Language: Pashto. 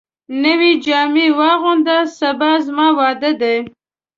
نوي جامي واغونده ، سبا زما واده دی